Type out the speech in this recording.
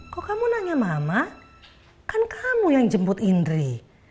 kok kamu nanya mama kan kamu yang jemput indri